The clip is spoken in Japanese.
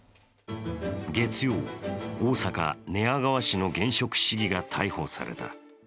月曜、大阪・寝屋川市の現職市議が逮捕された。